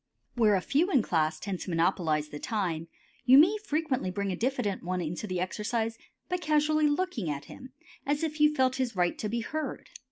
Where a few in the class tend to monopolize the time you may frequently bring a diffident one into the exercise by casually looking at him as if you felt his right to be heard.